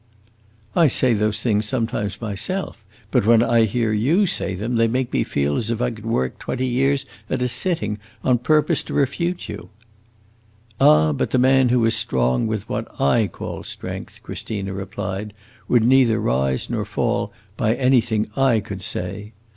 "I say those things sometimes myself, but when I hear you say them they make me feel as if I could work twenty years at a sitting, on purpose to refute you!" "Ah, the man who is strong with what I call strength," Christina replied, "would neither rise nor fall by anything I could say!